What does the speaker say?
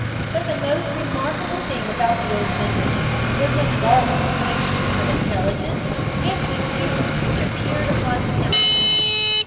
But the most remarkable thing about the old gentleman was the marvellous mixture of intelligence and good humour which appeared upon his countenance.